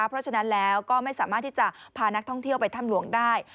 เพราะฉะนั้นแล้วก็ไม่สามารถที่จะพานักท่องเที่ยวไปถ้ำหลวงได้